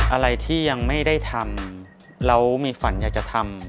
อะไรที่ยังไม่ได้ทำแล้วมีฝันอยากจะทำ